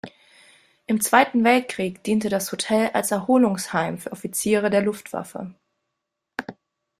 Im Zweiten Weltkrieg diente das Hotel als Erholungsheim für Offiziere der Luftwaffe.